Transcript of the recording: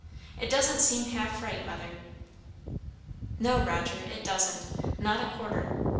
It doesn't seem half right, Mother." "No, Roger, it doesn't; not a quarter.